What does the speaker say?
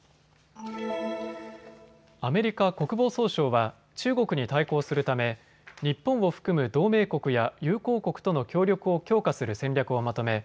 アメリカ国防総省は中国に対抗するため日本を含む同盟国や友好国との協力を強化する戦略をまとめ